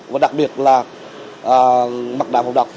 và đặc biệt là mặt nạ phòng đồng